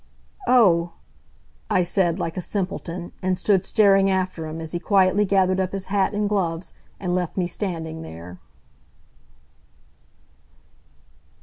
"Oh," I said, like a simpleton, and stood staring after him as he quietly gathered up his hat and gloves and left me standing there.